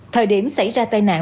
thời điểm xảy ra tai nạn